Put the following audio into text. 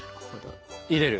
入れる。